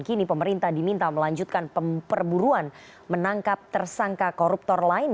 kini pemerintah diminta melanjutkan pemperburuan menangkap tersangka koruptor lain